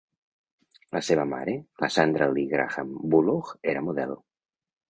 La seva mare, la Sandra Lee-Graham Bullough, era model.